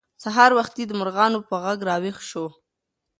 سهار وختي د مرغانو په غږ راویښ شوو.